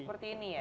seperti ini ya